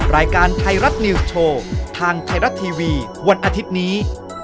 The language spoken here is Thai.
รายการไทยรัฐนิวส์โชว์ทางไทยรัฐทีวีวันอาทิตย์นี้